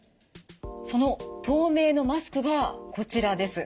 その透明のマスクがこちらです。